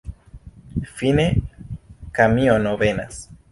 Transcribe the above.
Fine, kamiono venas.